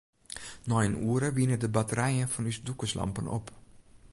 Nei in oere wiene de batterijen fan ús dûkerslampen op.